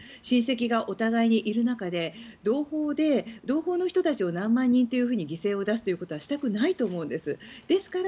親戚がお互いにいる中で同胞で、同胞の人たちを何万人と犠牲を出すということはしたくないと思うんです。